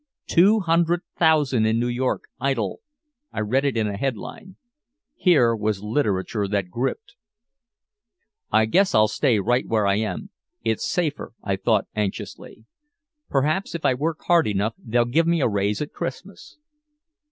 "Two Hundred Thousand In New York Idle," I read in a headline. Here was literature that gripped! "I guess I'll stay right where I am. It's safer," I thought anxiously. "Perhaps if I work hard enough they'll give me a raise at Christmas.